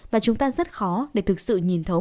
và chúng ta rất khó để thực sự nhìn thấu